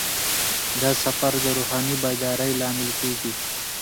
دا سفر د روحاني بیدارۍ لامل کیږي.